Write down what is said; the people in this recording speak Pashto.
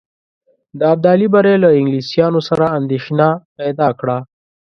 د ابدالي بری له انګلیسیانو سره اندېښنه پیدا کړه.